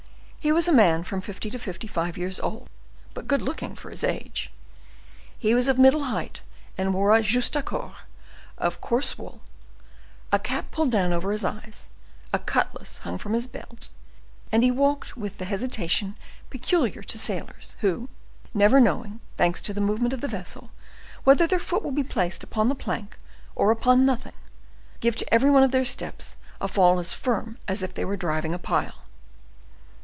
He was a man from fifty to fifty five years old, but good looking for his age. He was of middle height, and wore a justaucorps of coarse wool, a cap pulled down over his eyes, a cutlass hung from his belt, and he walked with the hesitation peculiar to sailors, who, never knowing, thanks to the movement of the vessel, whether their foot will be placed upon the plank or upon nothing, give to every one of their steps a fall as firm as if they were driving a pile.